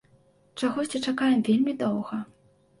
Чагосьці чакаем вельмі доўга.